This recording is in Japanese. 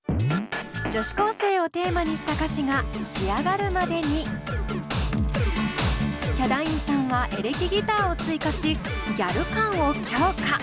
女子高生をテーマにした歌詞が仕上がるまでにヒャダインさんはエレキギターを追加しギャル感を強化。